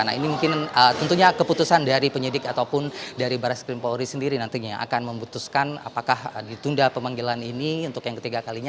nah ini mungkin tentunya keputusan dari penyidik ataupun dari baris krim polri sendiri nantinya akan memutuskan apakah ditunda pemanggilan ini untuk yang ketiga kalinya